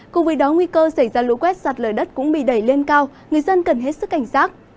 cùng với đó nguy cơ xảy ra lũ quét sạt lở đất cũng bị đẩy lên cao người dân cần hết sức cảnh giác